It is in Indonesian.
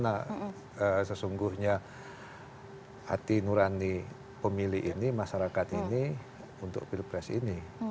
nah sesungguhnya hati nurani pemilih ini masyarakat ini untuk pilpres ini